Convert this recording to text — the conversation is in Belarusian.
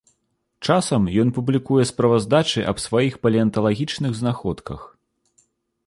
Часам ён публікуе справаздачы аб сваіх палеанталагічных знаходках.